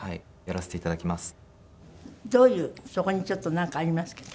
どういうそこにちょっとなんかありますけど。